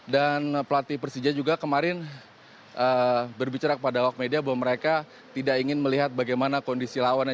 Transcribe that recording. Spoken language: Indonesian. dan pelatih persija juga kemarin berbicara pada walk media bahwa mereka tidak ingin melihat bagaimana kondisi lawannya